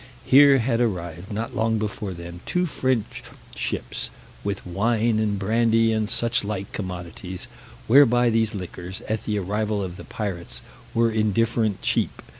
Here had arrived, not long before them, two French ships, with wine and brandy, and suchlike commodities; whereby these liquors, at the arrival of the pirates, were indifferent cheap.